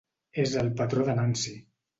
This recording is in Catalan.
És el patró de Nancy.